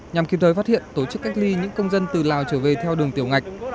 nhằm kịp thời phát hiện tổ chức cách ly những công dân từ lào trở về theo đường tiểu ngạch